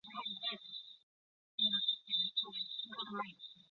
南泰利耶市是瑞典中东部斯德哥尔摩省的一个自治市。